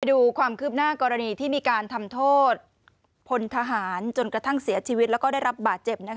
ดูความคืบหน้ากรณีที่มีการทำโทษพลทหารจนกระทั่งเสียชีวิตแล้วก็ได้รับบาดเจ็บ